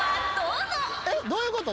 えっ？どういうこと？